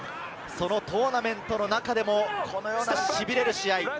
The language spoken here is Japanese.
トーナメントの中でも、このようなしびれる試合。